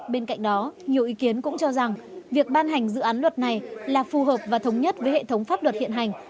bên cạnh đó nhiều ý kiến cũng cho rằng việc ban hành dự án luật này là phù hợp và thống nhất với hệ thống pháp luật hiện hành